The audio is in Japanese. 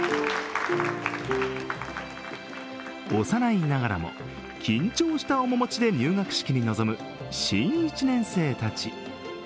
幼いながらも緊張した面持ちで入学式に臨む新一年生たち。